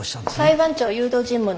裁判長誘導尋問です。